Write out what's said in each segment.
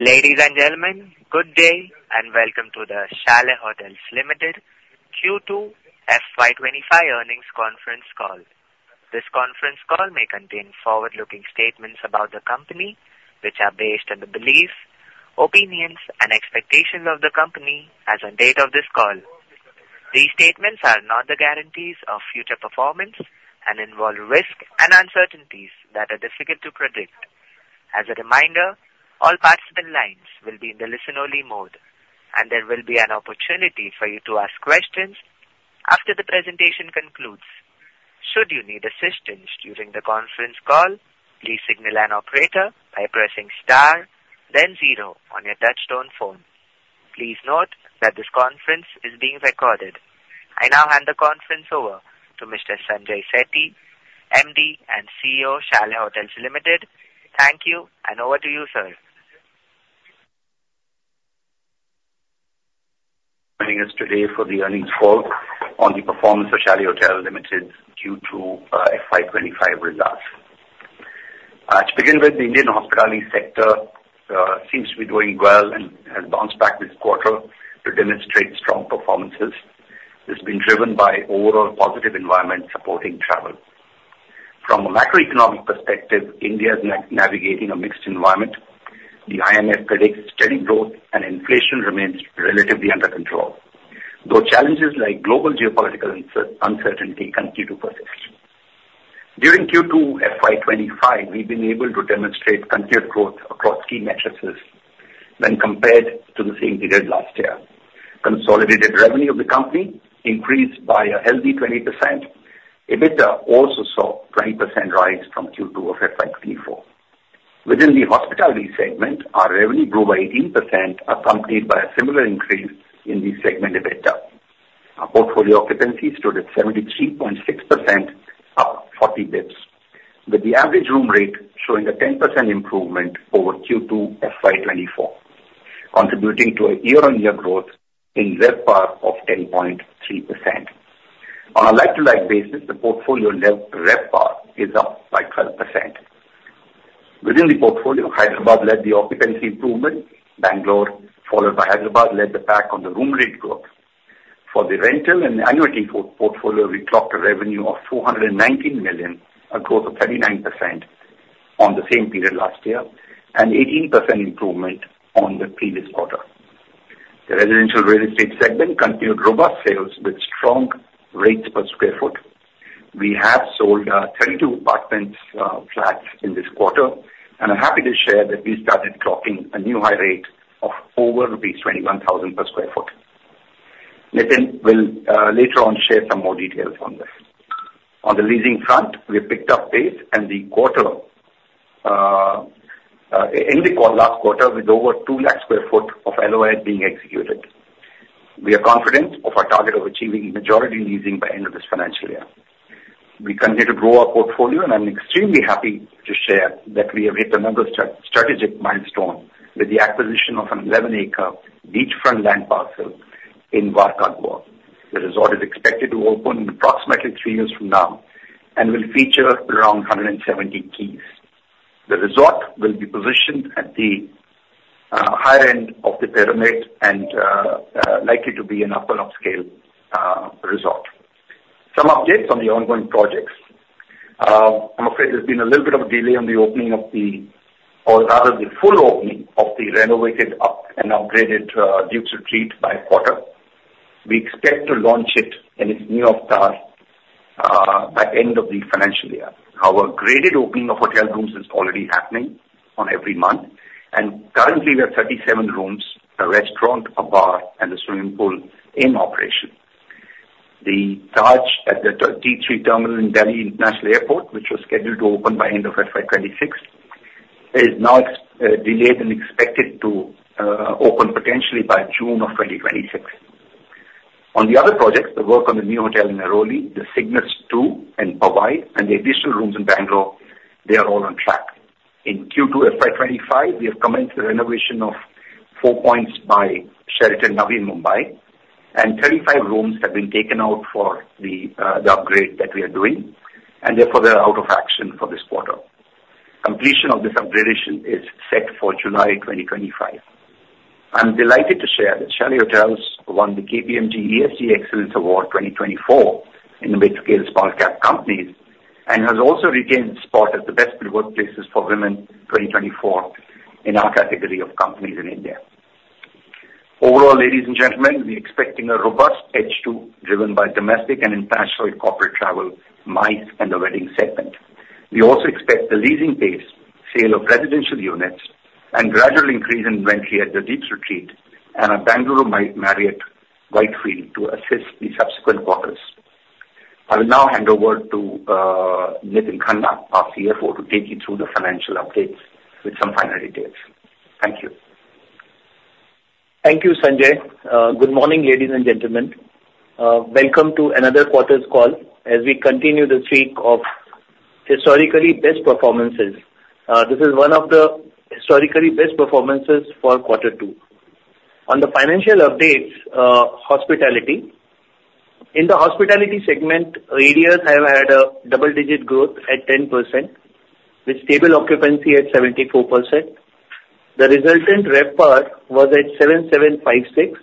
Ladies and gentlemen, good day, and welcome to the Chalet Hotels Limited Q2 FY twenty-five earnings Conference Call. This Conference Call may contain forward-looking statements about the company, which are based on the beliefs, opinions, and expectations of the company as on date of this call. These statements are not the guarantees of future performance and involve risks and uncertainties that are difficult to predict. As a reminder, all participant lines will be in the listen-only mode, and there will be an opportunity for you to ask questions after the presentation concludes. Should you need assistance during the Conference Call, please signal an operator by pressing star then zero on your touchtone phone. Please note that this conference is being recorded. I now hand the conference over to Mr. Sanjay Sethi, MD and CEO, Chalet Hotels Limited. Thank you, and over to you, sir. ... joining us today for the earnings call on the performance of Chalet Hotels Limited Q2 FY 2025 results. To begin with, the Indian hospitality sector seems to be doing well and has bounced back this quarter to demonstrate strong performances. This has been driven by overall positive environment supporting travel. From a macroeconomic perspective, India is navigating a mixed environment. The IMF predicts steady growth, and inflation remains relatively under control, though challenges like global geopolitical uncertainty continue to persist. During Q2 FY 2025, we've been able to demonstrate continued growth across key metrics when compared to the same period last year. Consolidated revenue of the company increased by a healthy 20%. EBITDA also saw 20% rise from Q2 of FY 2024. Within the hospitality segment, our revenue grew by 18%, accompanied by a similar increase in the segment EBITDA. Our portfolio occupancy stood at 73.6%, up 40 basis points, with the average room rate showing a 10% improvement over Q2 FY twenty-four, contributing to a year-on-year growth in RevPAR of 10.3%. On a like-to-like basis, the portfolio like-to-like RevPAR is up by 12%. Within the portfolio, Hyderabad led the occupancy improvement. Bangalore, followed by Hyderabad, led the pack on the room rate growth. For the rental and annuity portfolio, we clocked a revenue of 419 million, a growth of 39% on the same period last year, and 18% improvement on the previous quarter. The residential real estate segment continued robust sales with strong rates per square foot. We have sold thirty-two apartments, flats in this quarter, and I'm happy to share that we started clocking a new high rate of over rupees 21,000 per sq ft. Nitin will later on share some more details on this. On the leasing front, we have picked up pace in the quarter, in the last quarter, with over two lakh sq ft of LOI being executed. We are confident of our target of achieving majority leasing by end of this financial year. We continue to grow our portfolio, and I'm extremely happy to share that we have hit another strategic milestone with the acquisition of an 11-acre beachfront land parcel in Varca, Goa. The resort is expected to open approximately three years from now and will feature around 170 keys. The resort will be positioned at the higher end of the pyramid and likely to be an upper upscale resort. Some updates on the ongoing projects. I'm afraid there's been a little bit of a delay on the opening of the or rather, the full opening of the renovated up and upgraded The Dukes Retreat by quarter. We expect to launch it in its new avatar by end of the financial year. Our graded opening of hotel rooms is already happening every month, and currently, we have 37 rooms, a restaurant, a bar, and a swimming pool in operation. The Taj at the T3 terminal in Delhi International Airport, which was scheduled to open by end of FY 2026, is now delayed and expected to open potentially by June of 2026. On the other projects, the work on the new hotel in Nerul, the Cignus 2 in Powai, and the additional rooms in Bengaluru, they are all on track. In Q2 FY 2025, we have commenced the renovation of Four Points by Sheraton Navi Mumbai, and 35 rooms have been taken out for the upgrade that we are doing, and therefore, they are out of action for this quarter. Completion of this upgradation is set for July 2025. I'm delighted to share that Chalet Hotels won the KPMG ESG Excellence Award 2024 in the mid-scale small cap companies and has also retained its spot as the Best Workplaces for Women 2024 in our category of companies in India. Overall, ladies and gentlemen, we're expecting a robust H2, driven by domestic and international corporate travel, MICE, and the wedding segment. We also expect the leasing pace, sale of residential units, and gradual increase in revenue at the Dukes Retreat and our Bengaluru Marriott Whitefield to assist the subsequent quarters. I will now hand over to Nitin Khanna, our CFO, to take you through the financial updates with some final details. Thank you. Thank you, Sanjay. Good morning, ladies and gentlemen. Welcome to another quarterly call as we continue the streak of historically best performances. This is one of the historically best performances for quarter two. On the financial updates, hospitality, In the hospitality segment, ADRs have had a double-digit growth at 10%, with stable occupancy at 74%. The resultant RevPAR was at 7,756,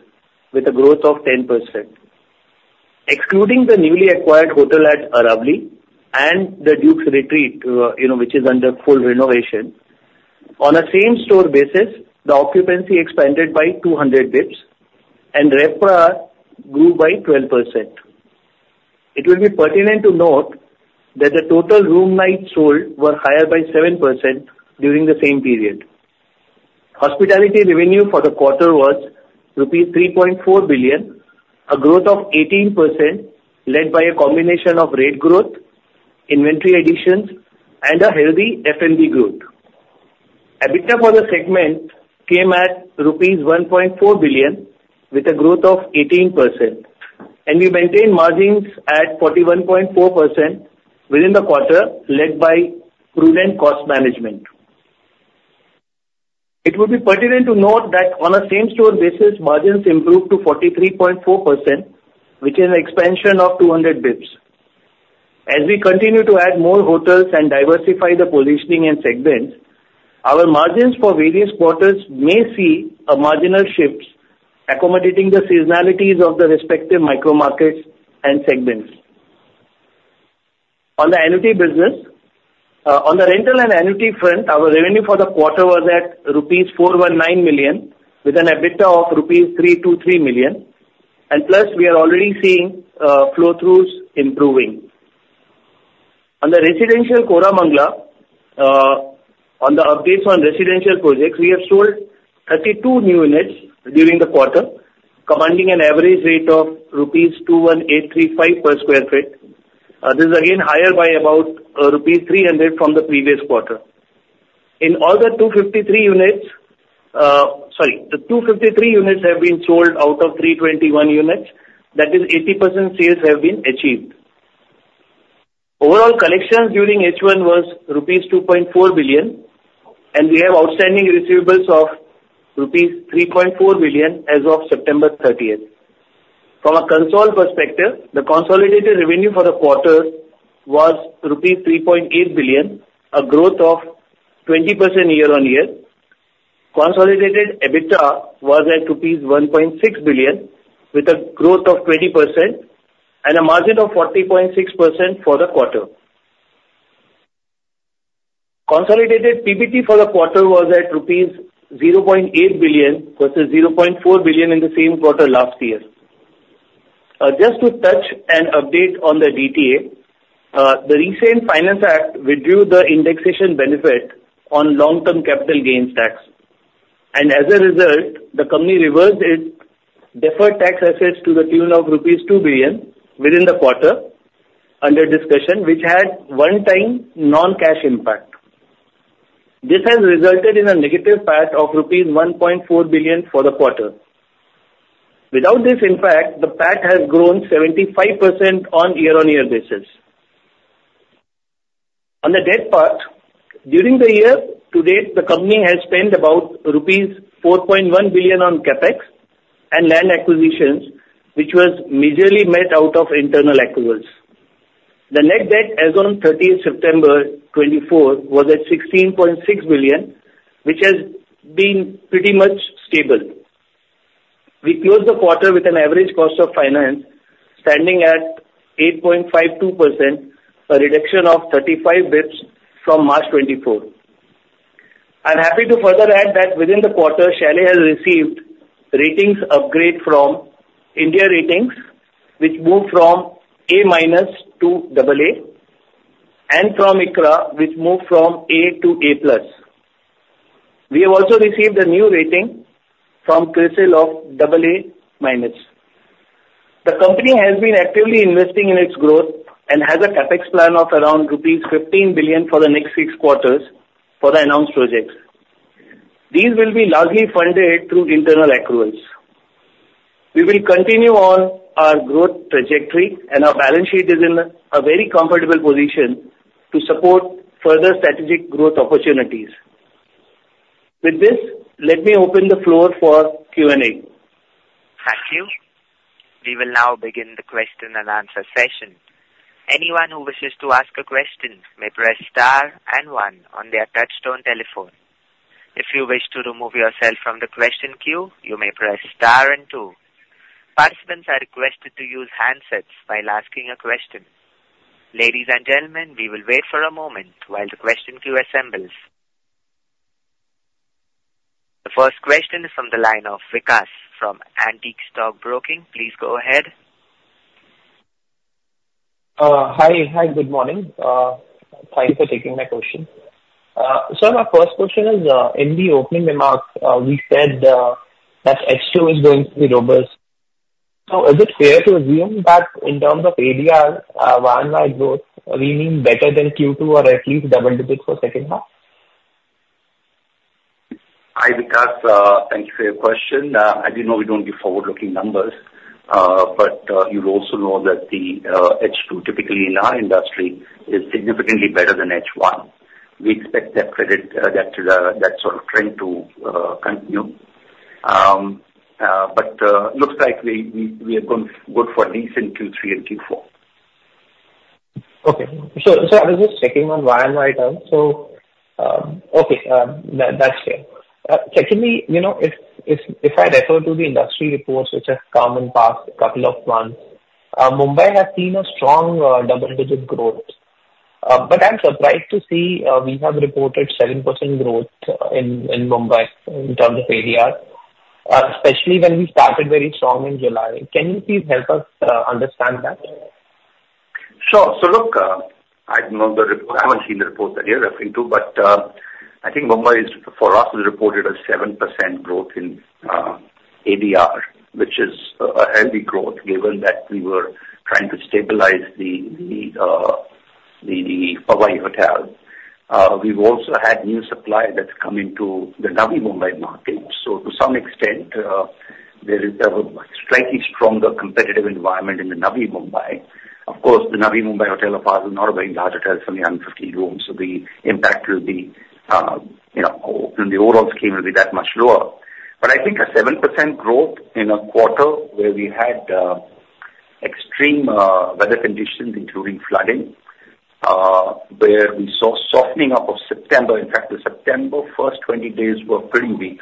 with a growth of 10%. Excluding the newly acquired hotel at Aravali and the Dukes Retreat, you know, which is under full renovation, on a same store basis, the occupancy expanded by 200 basis points, and RevPAR grew by 12%. It will be pertinent to note that the total room nights sold were higher by 7% during the same period. Hospitality revenue for the quarter was rupees 3.4 billion, a growth of 18%, led by a combination of rate growth, inventory additions, and a healthy F&B growth. EBITDA for the segment came at rupees 1.4 billion, with a growth of 18%, and we maintained margins at 41.4% within the quarter, led by prudent cost management. It would be pertinent to note that on a same store basis, margins improved to 43.4%, which is an expansion of 200 basis points. As we continue to add more hotels and diversify the positioning and segments, our margins for various quarters may see marginal shifts, accommodating the seasonalities of the respective micro markets and segments. On the annuity business, on the rental and annuity front, our revenue for the quarter was at rupees 419 million, with an EBITDA of rupees 323 million, and plus we are already seeing flow-throughs improving. On the residential Koramangala, on the updates on residential projects, we have sold 32 new units during the quarter, commanding an average rate of rupees 21,835 per sq ft. This is again higher by about, rupees 300 from the previous quarter. The 253 units have been sold out of 321 units. That is 80% sales have been achieved. Overall collections during H1 was rupees 2.4 billion, and we have outstanding receivables of rupees 3.4 billion as of September thirtieth. From a consolidated perspective, the consolidated revenue for the quarter was rupees 3.8 billion, a growth of 20% year-on-year. Consolidated EBITDA was at rupees 1.6 billion, with a growth of 20% and a margin of 40.6% for the quarter. Consolidated PBT for the quarter was at rupees 0.8 billion versus 0.4 billion in the same quarter last year. Just to touch and update on the DTA, the recent Finance Act withdrew the indexation benefit on long-term capital gains tax, and as a result, the company reversed its deferred tax assets to the tune of rupees 2 billion within the quarter under discussion, which had one-time non-cash impact. This has resulted in a negative PAT of rupees 1.4 billion for the quarter. Without this impact, the PAT has grown 75% on year-on-year basis. On the debt part, during the year to date, the company has spent about rupees 4.1 billion on CapEx and land acquisitions, which was majorly met out of internal accruals. The net debt as on thirtieth September 2024, was at 16.6 billion, which has been pretty much stable. We closed the quarter with an average cost of finance, standing at 8.52%, a reduction of 35 basis points from March 2024. I'm happy to further add that within the quarter, Chalet has received ratings upgrade from India Ratings, which moved from A minus to double A, and from ICRA, which moved from A to A plus. We have also received a new rating from CRISIL of double A minus. The company has been actively investing in its growth and has a CapEx plan of around rupees 15 billion for the next six quarters for the announced projects. These will be largely funded through internal accruals. We will continue on our growth trajectory, and our balance sheet is in a very comfortable position to support further strategic growth opportunities. With this, let me open the floor for Q&A. Thank you. We will now begin the question and answer session. Anyone who wishes to ask a question may press star and one on their touchtone telephone. If you wish to remove yourself from the question queue, you may press star and two. Participants are requested to use handsets while asking a question. Ladies and gentlemen, we will wait for a moment while the question queue assembles. The first question is from the line of Vikas from Antique Stock Broking. Please go ahead. Hi. Hi, good morning. Thank you for taking my question. So my first question is, in the opening remarks, we said that H2 is going to be robust. So is it fair to assume that in terms of ADR, year-on-year growth, we mean better than Q2 or at least double digits for second half? Hi, Vikas. Thank you for your question. As you know, we don't give forward-looking numbers, but you'll also know that the H2, typically in our industry, is significantly better than H1. We expect that sort of trend to continue.... but looks likely we are going good for decent Q3 and Q4. Okay. So I was just checking on YoY term. So okay, that's fair. Secondly, you know, if I refer to the industry reports which have come in past couple of months, Mumbai has seen a strong double-digit growth. But I'm surprised to see we have reported 7% growth in Mumbai in terms of ADR, especially when we started very strong in July. Can you please help us understand that? Sure. So look, I don't know the report. I haven't seen the report that you're referring to, but, I think Mumbai is, for us, has reported a 7% growth in ADR, which is a healthy growth, given that we were trying to stabilize the Powai hotel. We've also had new supply that's come into the Navi Mumbai market. So to some extent, there is a slightly stronger competitive environment in the Navi Mumbai. Of course, the Navi Mumbai hotel of ours is not a very large hotel, it's only 150 rooms, so the impact will be, you know, in the overall scheme will be that much lower. But I think a 7% growth in a quarter where we had extreme weather conditions, including flooding, where we saw softening up of September. In fact, the September first 20 days were pretty weak,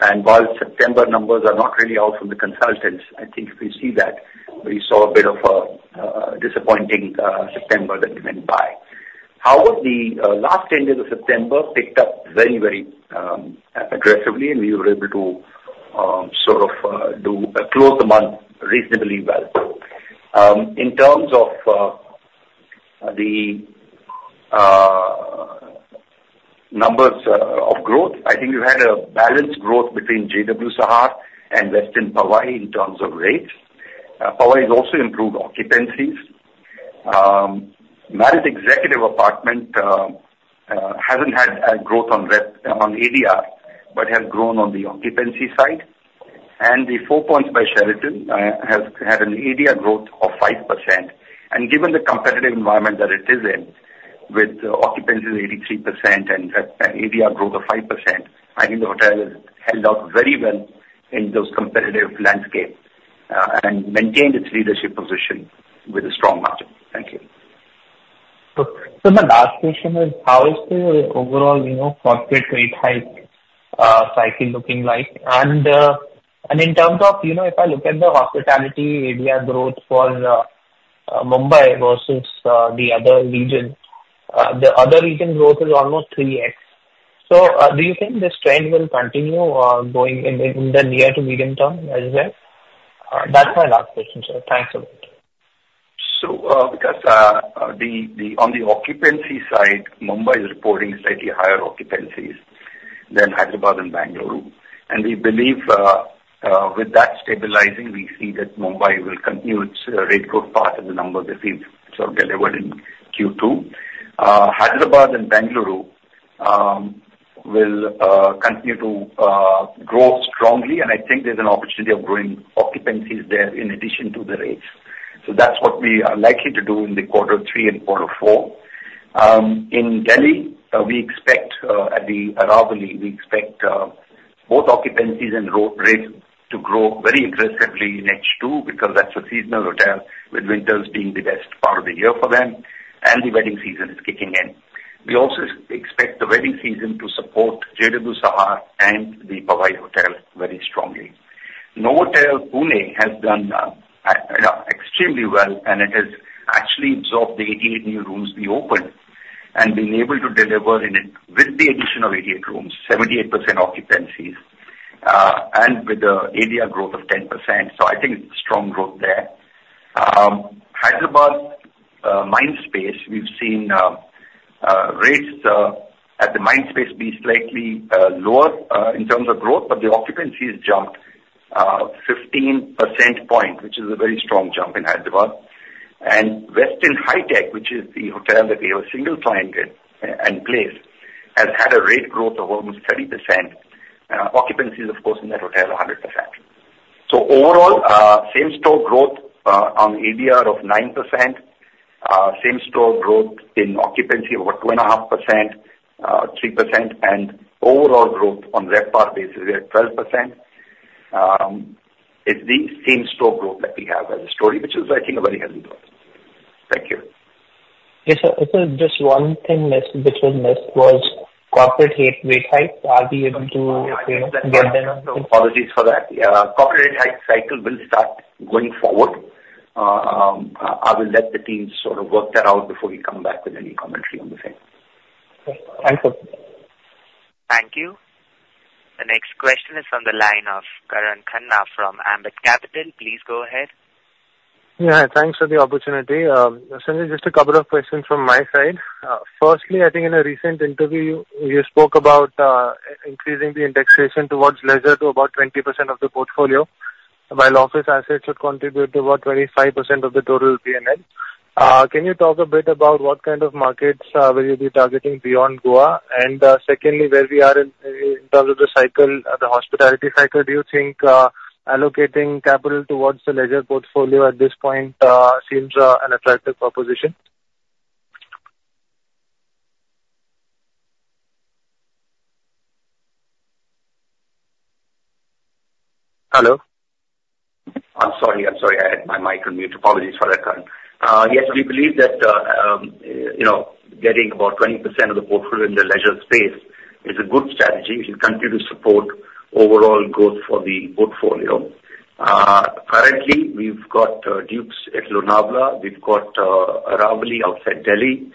and while September numbers are not really out from the consultants, I think if you see that, we saw a bit of a disappointing September that went by. However, the last 10 days of September picked up very, very aggressively, and we were able to sort of close the month reasonably well. In terms of the numbers of growth, I think we've had a balanced growth between JW Sahar and Westin Powai, in terms of rates. Powai has also improved occupancies. Marriott's Executive Apartment hasn't had a growth on ADR, but has grown on the occupancy side, and the Four Points by Sheraton has had an ADR growth of 5%. Given the competitive environment that it is in, with occupancy 83% and an ADR growth of 5%, I think the hotel has held out very well in this competitive landscape, and maintained its leadership position with a strong margin. Thank you. So my last question is: How is the overall, you know, corporate rate hike cycle looking like? And, and in terms of, you know, if I look at the hospitality ADR growth for Mumbai versus the other regions, the other region growth is almost three X. So, do you think this trend will continue going in the near to medium term as well? That's my last question, sir. Thanks a lot. On the occupancy side, Mumbai is reporting slightly higher occupancies than Hyderabad and Bengaluru. And we believe, with that stabilizing, we see that Mumbai will continue its, rate growth path in the number that we've sort of delivered in Q2. Hyderabad and Bengaluru, will continue to, grow strongly, and I think there's an opportunity of growing occupancies there in addition to the rates. So that's what we are likely to do in the quarter three and quarter four. In Delhi, we expect, at the Aravali, we expect, both occupancies and rates to grow very aggressively in H2, because that's a seasonal hotel, with winters being the best part of the year for them, and the wedding season is kicking in. We also expect the wedding season to support JW Sahar and the Powai Hotel very strongly. Novotel Pune has done extremely well, and it has actually absorbed the 88 new rooms we opened, and been able to deliver in it, with the addition of 88 rooms, 78% occupancies, and with the ADR growth of 10%, so I think it's strong growth there. Hyderabad Mindspace, we've seen rates at the Mindspace be slightly lower in terms of growth, but the occupancy has jumped 15 percentage points, which is a very strong jump in Hyderabad. Westin Hitec, which is the hotel that we have a single client in place, has had a rate growth of almost 30%. Occupancy is, of course, in that hotel, 100%. Overall, same store growth on ADR of 9%, same store growth in occupancy over 2.5%, 3%, and overall growth on RevPAR basis is at 12%. It's the same store growth that we have as a story, which is, I think, a very healthy growth. Thank you. Yes, sir. So just one thing which was missed was corporate rate, rate hike. Are we able to, you know, get them? Apologies for that. Yeah, corporate rate hike cycle will start going forward. I will let the teams sort of work that out before we come back with any commentary on the same. Okay. Thanks, sir. Thank you. The next question is on the line of Karan Khanna from Ambit Capital. Please go ahead. Yeah, thanks for the opportunity. Sanjay, just a couple of questions from my side. Firstly, I think in a recent interview, you spoke about increasing the indexation towards leisure to about 20% of the portfolio, while office assets should contribute to about 25% of the total PNL. Can you talk a bit about what kind of markets will you be targeting beyond Goa? And secondly, where we are in terms of the cycle, the hospitality cycle, do you think allocating capital towards the leisure portfolio at this point seems an attractive proposition?... Hello? I'm sorry, I'm sorry, I had my mic on mute. Apologies for that, Karan. Yes, we believe that, you know, getting about 20% of the portfolio in the leisure space is a good strategy. It will continue to support overall growth for the portfolio. Currently, we've got Dukes at Lonavala. We've got Aravali outside Delhi.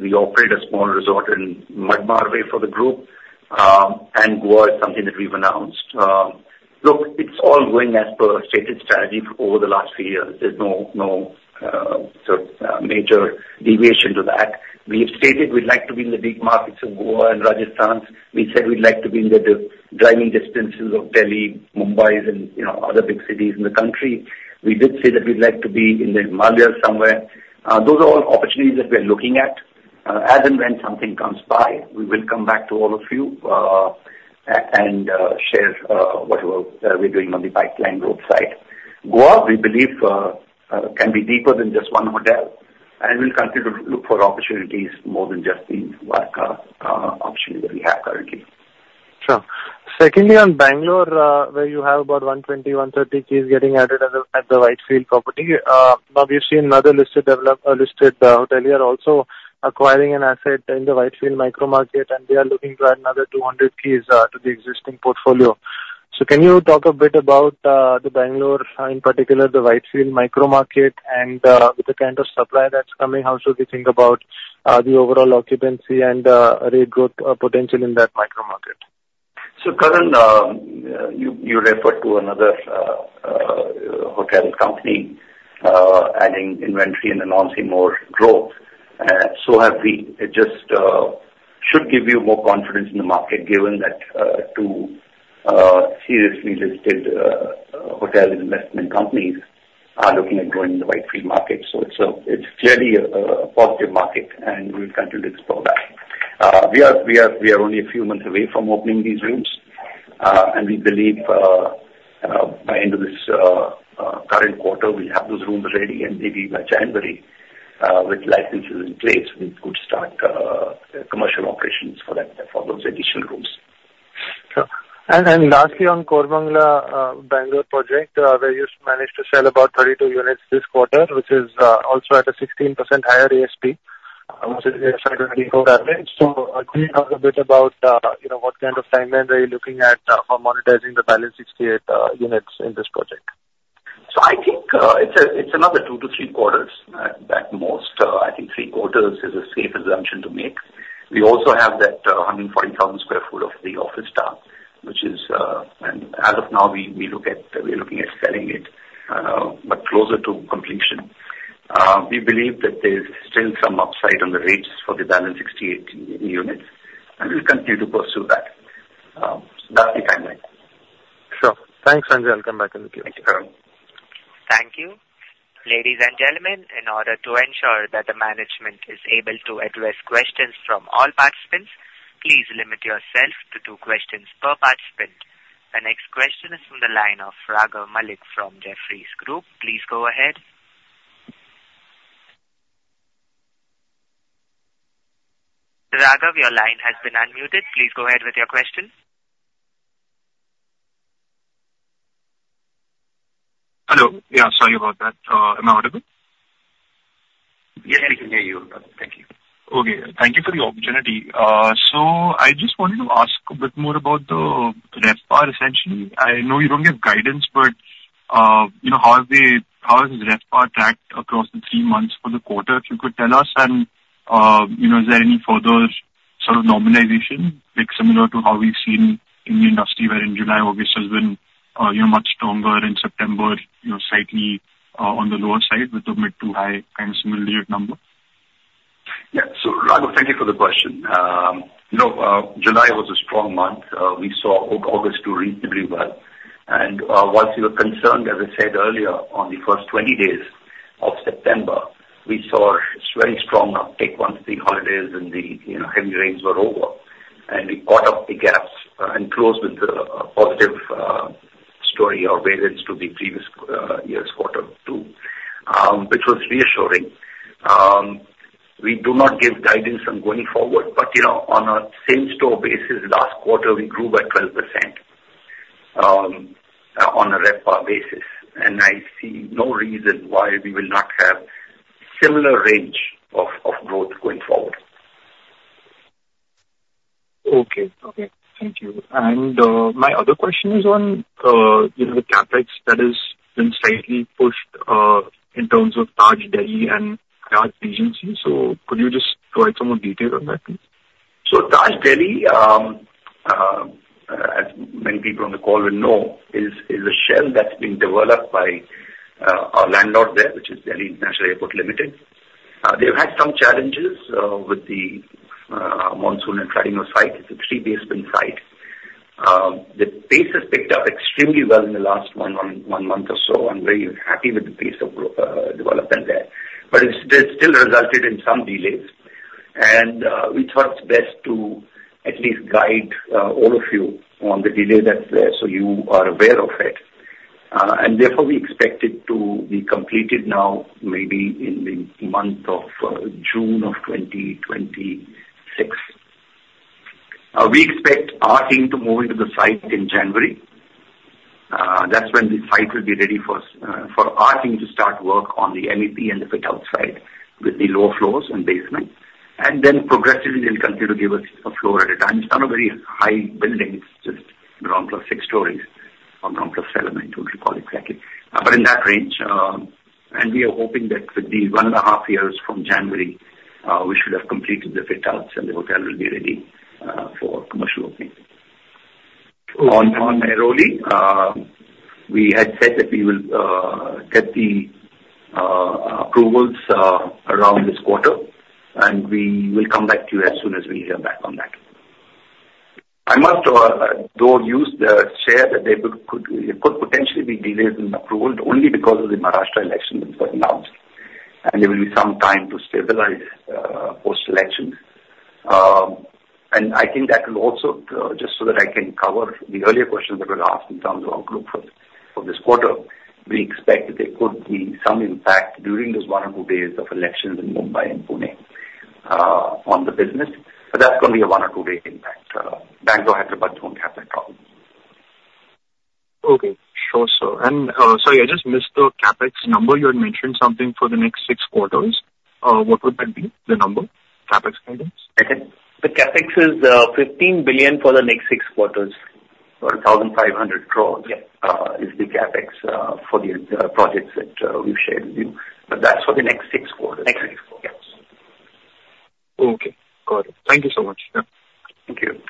We operate a small resort in Madh Marve for the group, and Goa is something that we've announced. Look, it's all going as per stated strategy for over the last few years. There's no, no, sort of, major deviation to that. We have stated we'd like to be in the big markets of Goa and Rajasthan. We said we'd like to be in the driving distances of Delhi, Mumbai, and, you know, other big cities in the country. We did say that we'd like to be in the Himalayas somewhere. Those are all opportunities that we are looking at. As and when something comes by, we will come back to all of you, and share what we're doing on the pipeline growth side. Goa, we believe, can be deeper than just one hotel, and we'll continue to look for opportunities more than just the one option that we have currently. Sure. Secondly, on Bengaluru, where you have about 120-130 keys getting added at the Whitefield property. Now we've seen another listed hotelier also acquiring an asset in the Whitefield micro market, and they are looking to add another 200 keys to the existing portfolio. So can you talk a bit about the Bengaluru, in particular, the Whitefield micro market and, with the kind of supply that's coming, how should we think about the overall occupancy and rate growth potential in that micro market? So, Karan, you referred to another hotel company adding inventory and announcing more growth, so have we. It just should give you more confidence in the market, given that two seriously listed hotel investment companies are looking at growing the Whitefield market. So it's clearly a positive market, and we'll continue to explore that. We are only a few months away from opening these rooms, and we believe by end of this current quarter, we'll have those rooms ready, and maybe by January with licenses in place, we could start commercial operations for those additional rooms. Sure. And lastly, on Koramangala, Bengaluru project, where you managed to sell about 32 units this quarter, which is also at a 16% higher ASP, which is inside the core average. So, can you talk a bit about, you know, what kind of timeline are you looking at for monetizing the balance 68 units in this project? I think it's another two to three quarters at most. I think three quarters is a safe assumption to make. We also have that 140,000 sq ft of the office tower, which is. And as of now, we're looking at selling it but closer to completion. We believe that there's still some upside on the rates for the balance 68 units, and we'll continue to pursue that. That's the timeline. Sure. Thanks, Sanjay. I'll come back to you. Thank you, Karan. Thank you. Ladies and gentlemen, in order to ensure that the management is able to address questions from all participants, please limit yourself to two questions per participant. The next question is from the line of Raghav Malik from Jefferies Group. Please go ahead. Raghav, your line has been unmuted. Please go ahead with your question. Hello. Yeah, sorry about that. Am I audible? Yeah, we can hear you. Thank you. Okay. Thank you for the opportunity. So I just wanted to ask a bit more about the RevPAR essentially. I know you don't give guidance, but you know, how has RevPAR tracked across the three months for the quarter? If you could tell us, and you know, is there any further sort of normalization, like similar to how we've seen in the industry, where in July, August has been you know much stronger in September, you know slightly on the lower side with the mid to high kind of similar number? Yeah. So, Raghav, thank you for the question. You know, July was a strong month. We saw August do reasonably well. And, whilst we were concerned, as I said earlier, on the first 20 days of September, we saw a very strong uptake once the holidays and the, you know, heavy rains were over. And we caught up the gaps, and closed with a positive story or variance to the previous year's quarter, too, which was reassuring. We do not give guidance on going forward, but, you know, on a same store basis, last quarter, we grew by 12%, on a RevPAR basis, and I see no reason why we will not have similar range of growth going forward. Okay. Okay, thank you. And, my other question is on, you know, the CapEx that has been slightly pushed, in terms of Taj Delhi and Taj Regency. So could you just provide some more detail on that, please? Taj Delhi, as many people on the call will know, is a shell that's been developed by our landlord there, which is Delhi International Airport Limited. They've had some challenges with the monsoon and flooding the site. It's a three basement site. The pace has picked up extremely well in the last one month or so. I'm very happy with the pace of development there, but it's still resulted in some delays, and we thought it's best to at least guide all of you on the delay that's there, so you are aware of it, and therefore we expect it to be completed now, maybe in the month of June of 2026. We expect our team to move into the site in January. That's when the site will be ready for our team to start work on the MEP and the fit-outs with the lower floors and basement. Then progressively, they'll continue to give us a floor at a time. It's not a very high building, it's just around plus six stories, around plus seven, I don't recall exactly. But in that range, and we are hoping that with the one and a half years from January, we should have completed the fit-outs and the hotel will be ready for commercial opening. On Airoli, we had said that we will get the approvals around this quarter, and we will come back to you as soon as we hear back on that. I must though use to share that there could potentially be delays in approval only because of the Maharashtra election that's been announced, and there will be some time to stabilize post-election, and I think that will also just so that I can cover the earlier question that was asked in terms of our growth for this quarter, we expect that there could be some impact during those one or two days of elections in Mumbai and Pune on the business, but that's going to be a one or two day impact. Bangalore and Mumbai won't have that problem. Okay. Sure, sir, and sorry, I just missed the CapEx number. You had mentioned something for the next six quarters. What would that be, the number? CapEx guidance. The CapEx is 15 billion for the next six quarters. Or 1,500 crores- Yeah. is the CapEx for the projects that we've shared with you. But that's for the next six quarters. Next six quarters. Yes. Okay, got it. Thank you so much. Yeah. Thank you.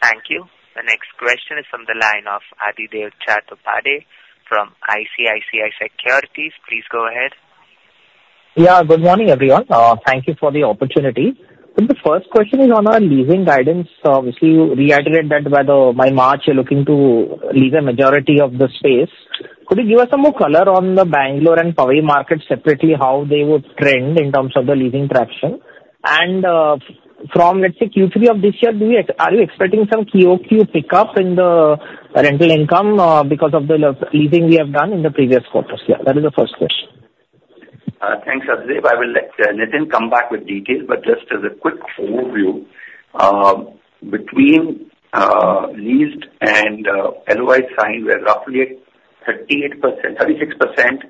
Thank you. The next question is from the line of Adhidev Chattopadhyay from ICICI Securities. Please go ahead. Yeah, good morning, everyone. Thank you for the opportunity. So the first question is on our leasing guidance. Obviously, you reiterated that by the, by March, you're looking to lease a majority of the space. Could you give us some more color on the Bangalore and Powai market separately, how they would trend in terms of the leasing traction? And, from, let's say, Q3 of this year, are you expecting some QOQ pickup in the, rental income, because of the leasing we have done in the previous quarters? Yeah, that is the first question. Thanks, Adidev. I will let Nitin come back with details, but just as a quick overview, between leased and LOI signed, we're roughly at 38%, 36%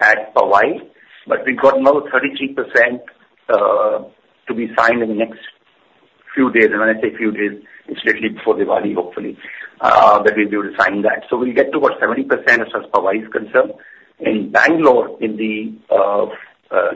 at Powai, but we've got another 33% to be signed in the next few days. And when I say a few days, it's literally before Diwali, hopefully that we'll be able to sign that. So we'll get to about 70% as far as Powai is concerned. In Bangalore, in the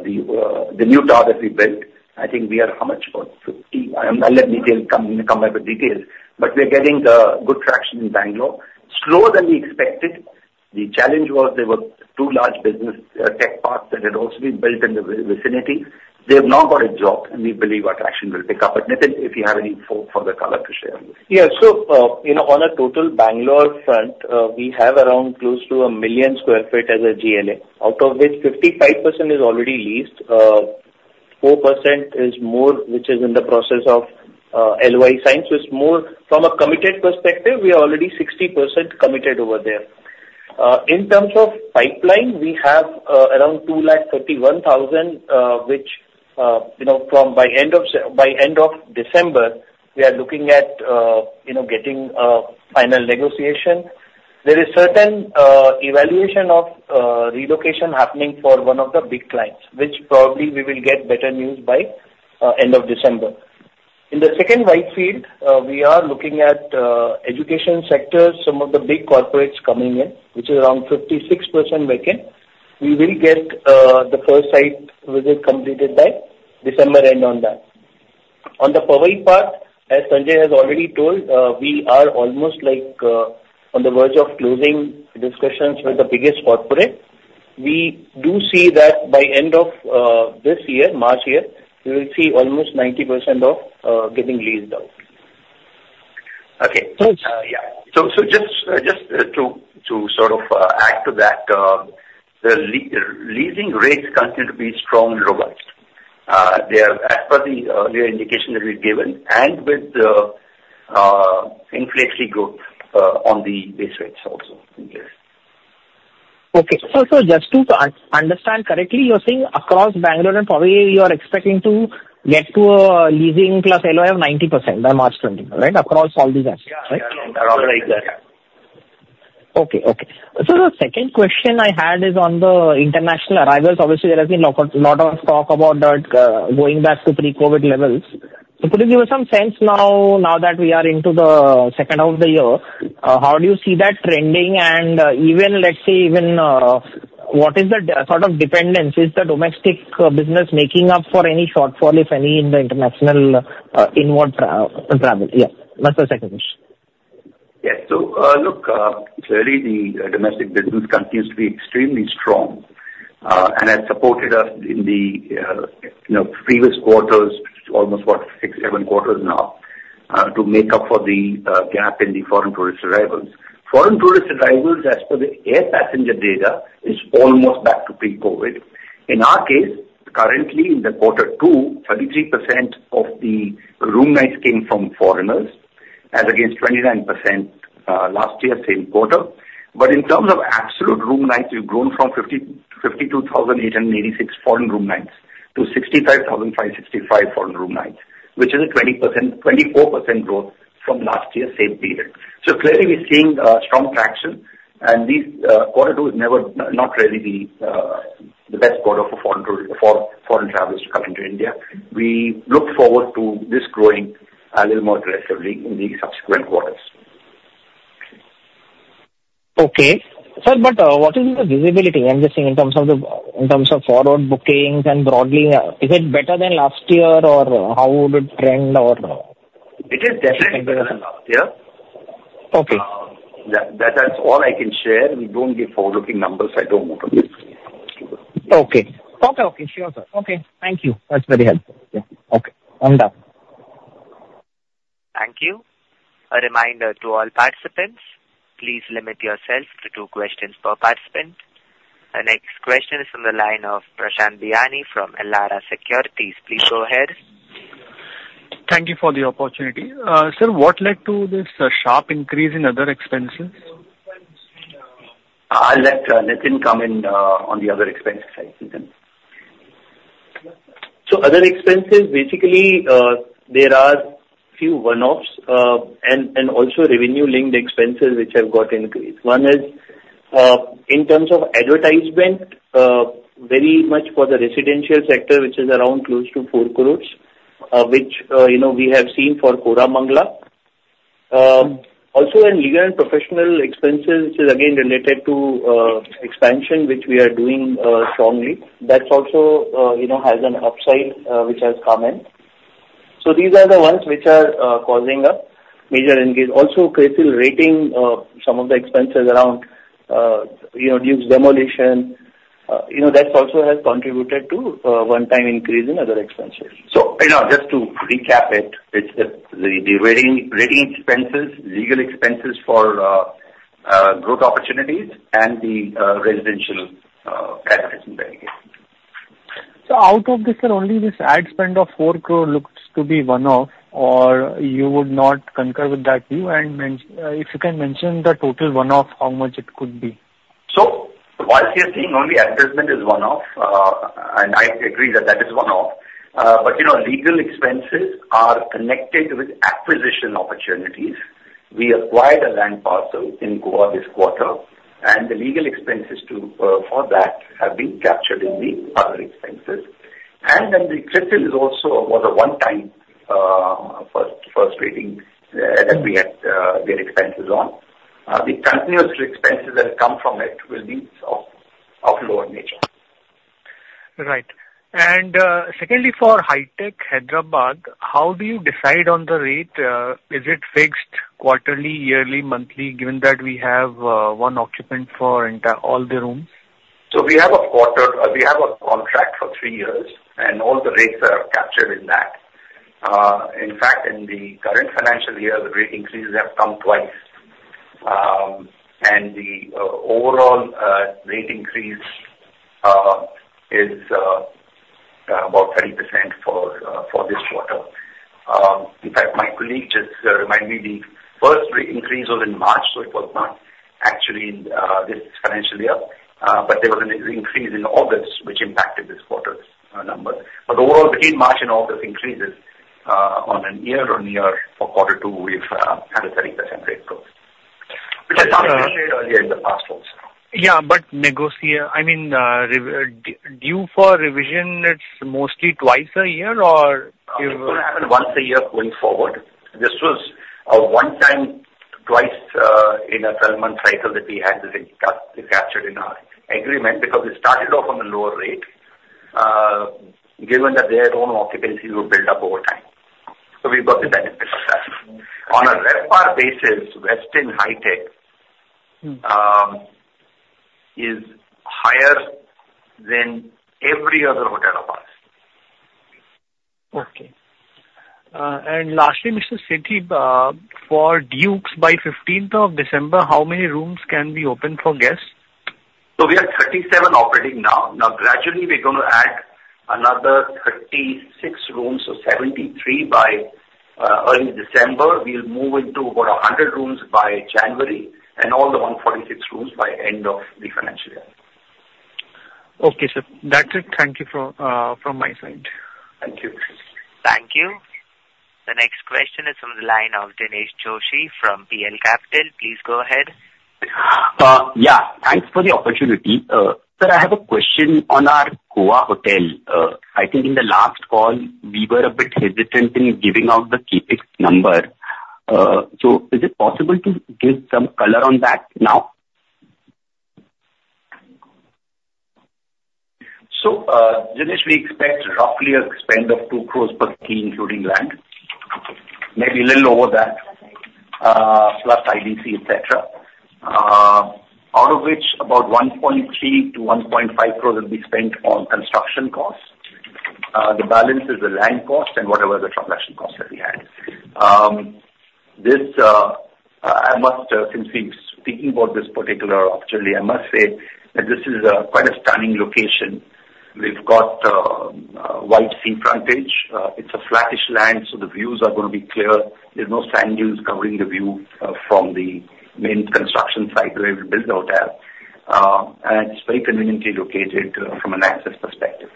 new tower that we built, I think we are how much? About 50. I'll let Nitin come back with details. But we're getting good traction in Bangalore. Slower than we expected. The challenge was there were two large business tech parks that had also been built in the vicinity. They've now got a job, and we believe our traction will pick up. But Nitin, if you have any further color to share on this? Yeah. So, you know, on a total Bengaluru front, we have around close to a million sq ft as a GLA, out of which 55% is already leased, four percent is more, which is in the process of LOI signed. So it's more from a committed perspective, we are already 60% committed over there. In terms of pipeline, we have around two lakh thirty-one thousand, which, you know, from by end of December, we are looking at getting a final negotiation. There is certain evaluation of relocation happening for one of the big clients, which probably we will get better news by end of December. In the second Whitefield, we are looking at education sectors, some of the big corporates coming in, which is around 56% vacant. We will get the first site visit completed by December end on that. On the Powai part, as Sanjay has already told, we are almost like on the verge of closing discussions with the biggest corporate. We do see that by end of this year, March year, we will see almost 90% of getting leased out. Okay. Thanks. Yeah. So just to sort of add to that, the leasing rates continue to be strong and robust. They are as per the earlier indication that we've given and with the inflationary growth on the base rates also in there. Okay. So just to understand correctly, you're saying across Bengaluru and Powai, you are expecting to get to a leasing plus LOI of 90% by March 2024, right? Across all the assets, right? Yeah, right. Right. Okay. So the second question I had is on the international arrivals. Obviously, there has been a lot, lot of talk about that going back to pre-COVID levels. So could you give us some sense now that we are into the second half of the year, how do you see that trending? And, even let's say, what is the sort of dependence, is the domestic business making up for any shortfall, if any, in the international inward travel? Yeah, that's the second question. Yeah. So, look, clearly the domestic business continues to be extremely strong, and has supported us in the, you know, previous quarters, almost what, six, seven quarters now, to make up for the gap in the foreign tourist arrivals. Foreign tourist arrivals, as per the air passenger data, is almost back to pre-COVID. In our case, currently in quarter two, 33% of the room nights came from foreigners, as against 29%, last year, same quarter. But in terms of absolute room nights, we've grown from 52,886 foreign room nights to 65,565 foreign room nights, which is a 24% growth from last year same period. Clearly, we're seeing strong traction, and these quarter two is never not really the best quarter for foreign travelers to come into India. We look forward to this growing a little more aggressively in the subsequent quarters. Okay. Sir, but, what is the visibility? I'm just saying in terms of the, in terms of forward bookings and broadly, is it better than last year, or how would it trend or? It is definitely better than last year. Okay. That is all I can share. We don't give forward-looking numbers. I don't want to Okay. Okay, okay. Sure, sir. Okay, thank you. That's very helpful. Yeah. Okay, I'm done. Thank you. A reminder to all participants, please limit yourself to two questions per participant. The next question is from the line of Prashant Bihani from Elara Securities. Please go ahead. Thank you for the opportunity. Sir, what led to this sharp increase in other expenses? I'll let Nitin come in on the other expense side. Nitin. Other expenses, basically, there are few one-offs, and also revenue-linked expenses, which have got increased. One is, in terms of advertisement, very much for the residential sector, which is around close to 4 crore, which, you know, we have seen for Koramangala. Also in legal and professional expenses, which is again related to expansion, which we are doing strongly. That's also, you know, has an upside, which has come in. So these are the ones which are causing a major increase. Also, CRISIL rating, some of the expenses around, you know, Dukes demolition, you know, that also has contributed to one-time increase in other expenses. You know, just to recap it, it's the rating expenses, legal expenses for growth opportunities, and the residential advertising again. So out of this, sir, only this ad spend of four crore looks to be one-off, or you would not concur with that view? And if you can mention the total one-off, how much it could be. So while we are saying only advertisement is one-off, and I agree that that is one-off, but, you know, legal expenses are connected with acquisition opportunities. We acquired a land parcel in Goa this quarter, and the legal expenses to, for that have been captured in the other expenses. And then CRISIL is also was a one time, first rating, that we had, their expenses on. The continuous expenses that come from it will be of lower nature. Right. And, secondly, for Hitec Hyderabad, how do you decide on the rate? Is it fixed quarterly, yearly, monthly, given that we have one occupant for entire, all the rooms? So we have a quarter, we have a contract for three years, and all the rates are captured in that. In fact, in the current financial year, the rate increases have come twice, and the overall rate increase is about 30% for this quarter. In fact, my colleague just reminded me the first increase was in March, so it was not actually in this financial year, but there was an increase in August, which impacted this quarter's numbers, but overall, between March and August increases, on a year-on-year for quarter two, we've had a 30% rate growth, which has happened earlier in the past also. Yeah, but I mean, RevPAR due for revision. It's mostly twice a year, or...? It will happen once a year going forward. This was a one time, twice, in a twelve-month cycle that we had this captured in our agreement, because we started off on a lower rate, given that their own occupancy would build up over time. So we've got the benefit of that. On a RevPAR basis, Westin Hitec- Mm. is higher than every other hotel of ours. Okay. And lastly, Mr. Sethi, for Dukes, by fifteenth of December, how many rooms can be open for guests? We are 37 operating now. Now, gradually we're going to add another 36 rooms, so 73 by early December. We'll move into about 100 rooms by January, and all the 146 rooms by end of the financial year. Okay, sir. That's it. Thank you from my side. Thank you. Thank you. The next question is from the line of Dinesh Joshi from PL Capital. Please go ahead. Yeah, thanks for the opportunity. Sir, I have a question on our Goa hotel. I think in the last call, we were a bit hesitant in giving out the CapEx number. So is it possible to give some color on that now? Dinesh, we expect roughly a spend of 2 crore per key, including land. Maybe a little over that, plus IDC, et cetera. Out of which, about 1.3-1.5 crore will be spent on construction costs. The balance is the land cost and whatever the transaction costs. This, since we're speaking about this particular opportunity, I must say that this is quite a stunning location. We've got wide sea frontage. It's a flattish land, so the views are going to be clear. There's no sand dunes covering the view from the main construction site where we build the hotel. It's very conveniently located from an access perspective.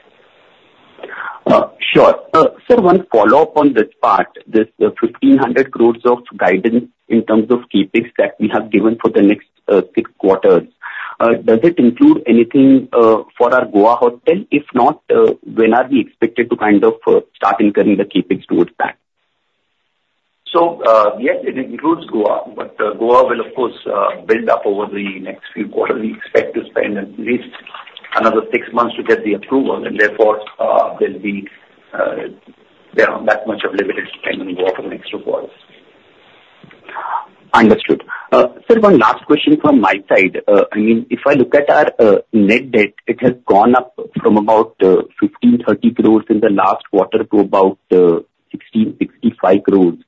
Sure. So, one follow-up on this part, this 1,500 crores of guidance in terms of CapEx that we have given for the next six quarters, does it include anything for our Goa hotel? If not, when are we expected to kind of start incurring the CapEx towards that? So, yes, it includes Goa, but Goa will of course build up over the next few quarters. We expect to spend at least another six months to get the approval, and therefore there'll be you know that much of limited spend in Goa for the next two quarters. Understood. Sir, one last question from my side. I mean, if I look at our net debt, it has gone up from about 1,530 crores in the last quarter to about 1,665 crores.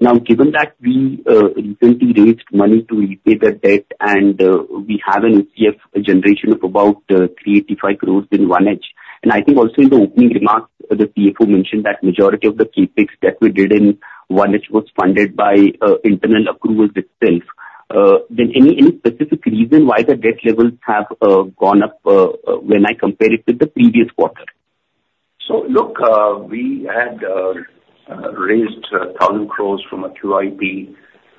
Now, given that we recently raised money to repay the debt and we have an OCF generation of about 385 crores in Q1. And I think also in the opening remarks, the CFO mentioned that majority of the CapEx that we did in Q1 was funded by internal accruals itself. Then any specific reason why the debt levels have gone up when I compare it with the previous quarter? We had raised 1,000 crore from a QIP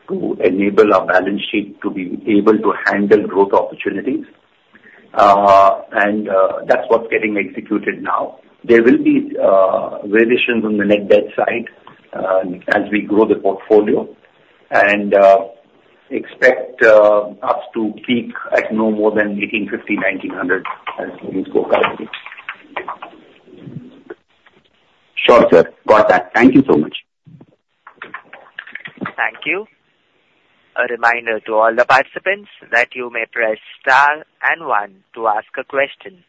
to enable our balance sheet to be able to handle growth opportunities. That's what's getting executed now. There will be variations on the net debt side as we grow the portfolio, and expect us to peak at no more than 1,850-1,900 as things go currently. Sure, sir. Got that. Thank you so much. Thank you. A reminder to all the participants that you may press Star and One to ask a question.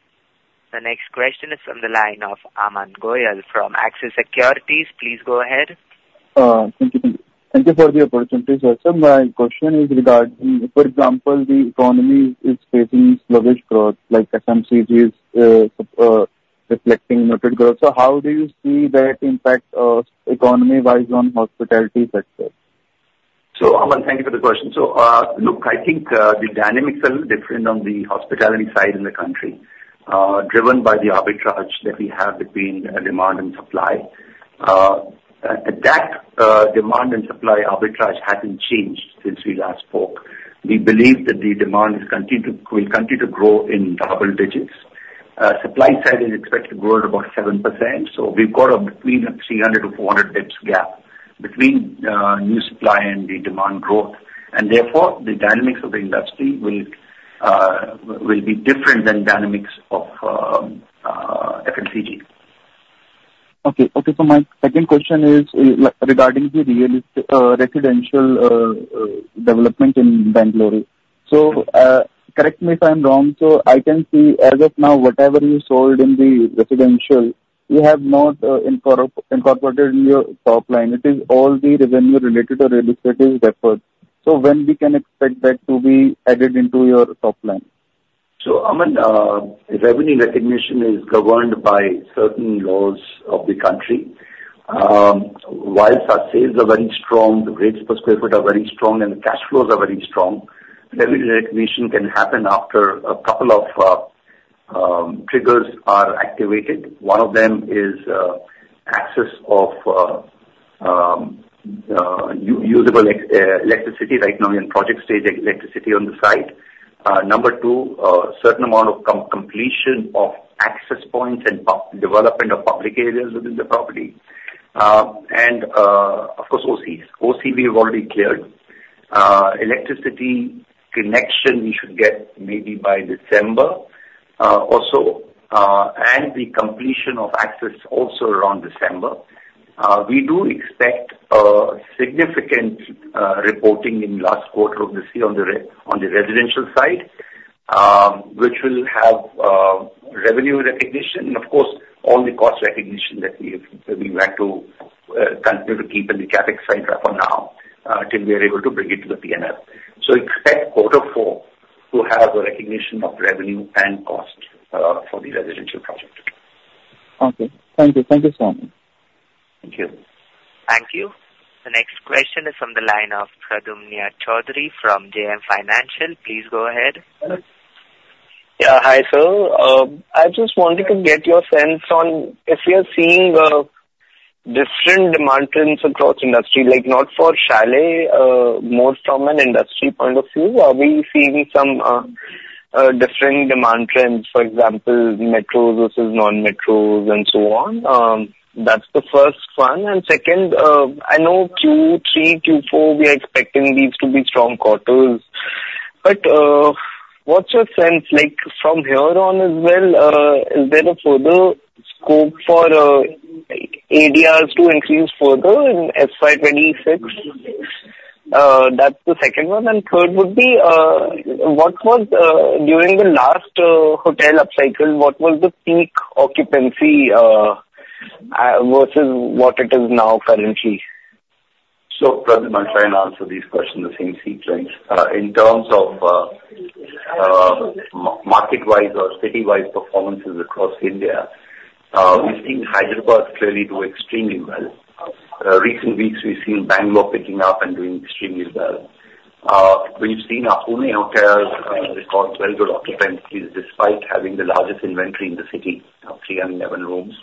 The next question is from the line of Aman Goyal from Axis Securities. Please go ahead. Thank you. Thank you for the opportunity, sir. So my question is regarding, for example, the economy is facing sluggish growth, like FMCG is reflecting muted growth. So how do you see that impact, economy-wise on hospitality sector? So, Aman, thank you for the question. Look, I think the dynamics are different on the hospitality side in the country, driven by the arbitrage that we have between demand and supply. That demand and supply arbitrage hasn't changed since we last spoke. We believe that the demand will continue to grow in double digits. Supply side is expected to grow at about 7%. So we've got between 300-400 basis points gap between new supply and the demand growth, and therefore, the dynamics of the industry will be different than dynamics of FMCG. Okay. Okay, so my second question is regarding the real estate residential development in Bengaluru. So, correct me if I'm wrong, so I can see as of now, whatever you sold in the residential, you have not incorporated in your top line. It is all the revenue related to real estate is deferred. So when we can expect that to be added into your top line? So, Aman, revenue recognition is governed by certain laws of the country. While our sales are very strong, the rates per square foot are very strong, and the cash flows are very strong. Revenue recognition can happen after a couple of triggers are activated. One of them is access of usable electricity. Right now, we're in project stage electricity on the site. Number two, certain amount of completion of access points and development of public areas within the property. And, of course, OCs. OC, we've already cleared. Electricity connection we should get maybe by December. Also, and the completion of access also around December. We do expect a significant reporting in last quarter of this year on the residential side, which will have revenue recognition, of course, all the cost recognition that we would like to continue to keep in the CapEx side for now, till we are able to bring it to the P&L. So expect quarter four to have a recognition of revenue and cost for the residential project. Okay. Thank you. Thank you so much. Thank you. Thank you. The next question is from the line of Pradyumna Choudhary from JM Financial. Please go ahead. Yeah. Hi, sir. I just wanted to get your sense on if we are seeing different demand trends across industry, like, not for Chalet, more from an industry point of view. Are we seeing some different demand trends, for example, metros versus non-metros and so on? That's the first one. And second, I know Q3, Q4, we are expecting these to be strong quarters, but, what's your sense like from here on as well, is there a further scope for ADRs to increase further in FY 2026?... That's the second one, and third would be, what was during the last hotel upcycle, what was the peak occupancy versus what it is now currently? So, Pradyumna, I'll try and answer these questions in the same sequence. In terms of market-wise or city-wide performances across India, we've seen Hyderabad clearly do extremely well. In recent weeks, we've seen Bangalore picking up and doing extremely well. We've seen our Pune hotels record very good occupancies, despite having the largest inventory in the city of 311 rooms.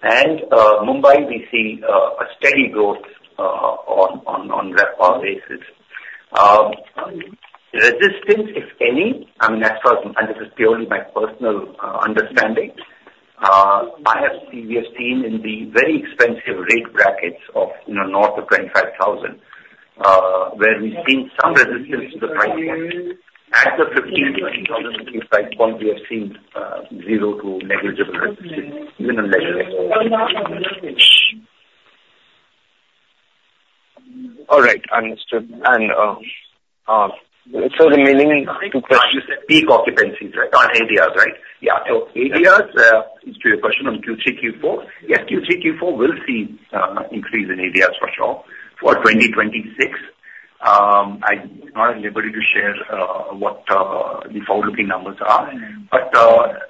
And Mumbai, we see a steady growth on RevPAR basis. Resistance, if any, I mean, as far as, and this is purely my personal understanding, we have seen in the very expensive rate brackets of, you know, north of 25,000, where we've seen some resistance to the price point. At the INR 15,000 price point, we have seen zero to negligible resistance, minimal negligible. All right. Understood. And so the remaining two questions- You said peak occupancies, right? On ADRs, right? Yeah. So ADRs, to your question on Q3, Q4. Yes, Q3, Q4 will see, increase in ADRs for sure. For twenty twenty-six, I'm not at liberty to share, what, the forward-looking numbers are. But,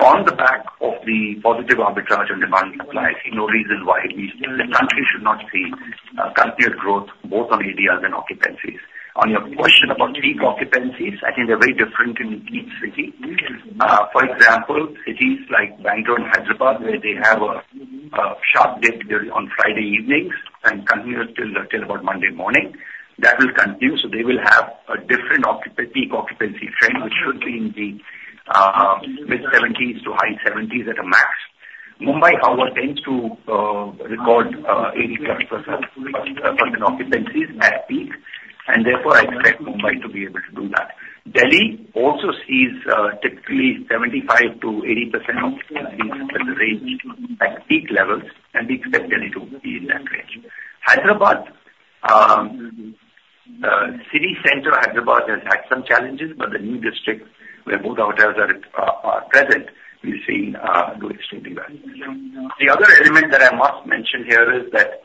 on the back of the positive arbitrage and demand supply, I see no reason why we, the country should not see, continued growth both on ADRs and occupancies. On your question about peak occupancies, I think they're very different in each city. For example, cities like Bengaluru and Hyderabad, where they have a sharp dip during on Friday evenings and continue till about Monday morning, that will continue, so they will have a different peak occupancy trend, which should be in the, mid-seventies to high seventies at a max. Mumbai, however, tends to record 80+% occupancy at peak, and therefore, I expect Mumbai to be able to do that. Delhi also sees typically 75%-80% occupancies as a range at peak levels, and we expect Delhi to be in that range. Hyderabad city center Hyderabad has had some challenges, but the new district, where both our hotels are present, we've seen do extremely well. The other element that I must mention here is that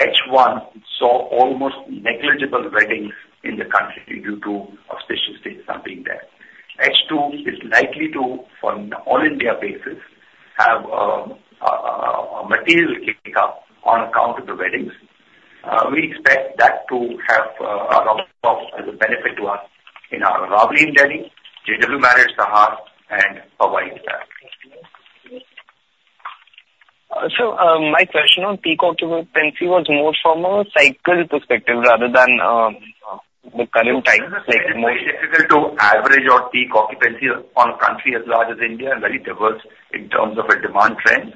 H1 saw almost negligible weddings in the country due to auspicious days not being there. H2 is likely to, on all India basis, have a material kick up on account of the weddings. We expect that to have a benefit to us in our Taj in Delhi, JW Marriott Sahar, and our banquet. So, my question on peak occupancy was more from a cycle perspective rather than the current time- To average our peak occupancy on a country as large as India and very diverse in terms of a demand trend.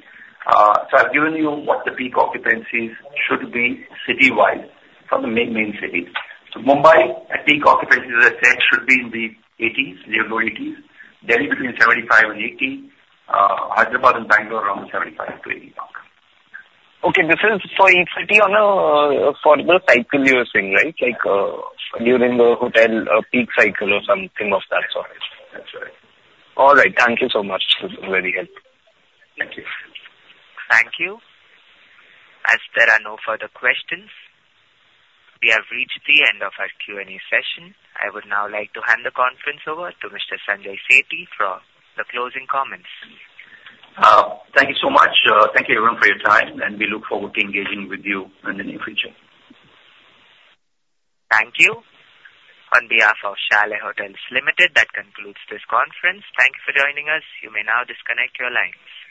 So I've given you what the peak occupancies should be city-wide from the main, main cities. So Mumbai, at peak occupancy, as I said, should be in the eighties, near low eighties. Delhi, between seventy-five and eighty. Hyderabad and Bangalore, around seventy-five to eighty mark. Okay. This is for each city for the cycle you're saying, right? Like, during the hotel, peak cycle or something of that sort. That's right. All right. Thank you so much. This is very helpful. Thank you. Thank you. As there are no further questions, we have reached the end of our Q&A session. I would now like to hand the conference over to Mr. Sanjay Sethi for the closing comments. Thank you so much. Thank you everyone for your time, and we look forward to engaging with you in the near future. Thank you. On behalf of Chalet Hotels Limited, that concludes this conference. Thank you for joining us. You may now disconnect your lines.